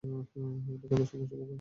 এটা কত সুন্দর সম্পর্ক।